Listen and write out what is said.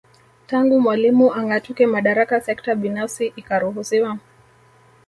Tangu Mwalimu angatuke madaraka Sekta binafsi ikaruhusiwa